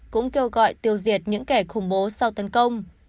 cũng kêu gọi tiêu diệt những kẻ khủng bố sau tấn công